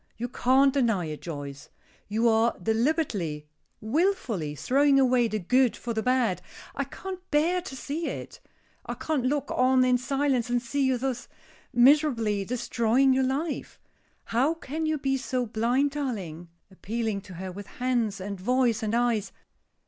You can't deny it, Joyce. You are deliberately willfully throwing away the good for the bad. I can't bear to see it. I can't look on in silence and see you thus miserably destroying your life. How can you be so blind, darling?" appealing to her with hands, and voice, and eyes.